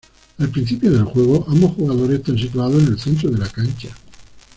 Al principio del juego, ambos jugadores están situados en el centro de la cancha.